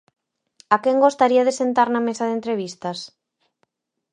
A quen gostaría de sentar na mesa de entrevistas?